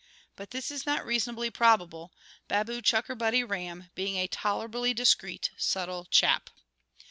But this is not reasonably probable, Baboo CHUCKERBUTTY RAM being a tolerably discreet, subtle chap.